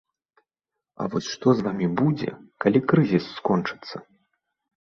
А вось што з вамі будзе, калі крызіс скончыцца?